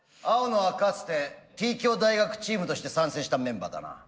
青野はかつてＴ京大学チームとして参戦したメンバーだな。